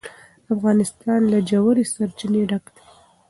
افغانستان له ژورې سرچینې ډک دی.